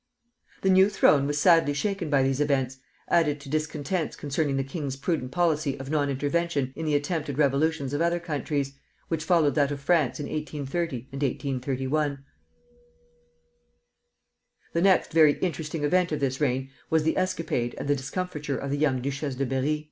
The new throne was sadly shaken by these events, added to discontents concerning the king's prudent policy of non intervention in the attempted revolutions of other countries, which followed that of France in 1830 and 1831. The next very interesting event of this reign was the escapade and the discomfiture of the young Duchesse de Berri.